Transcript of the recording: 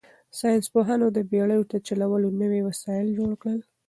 ساینس پوهانو د بېړیو د چلولو نوي وسایل جوړ کړل.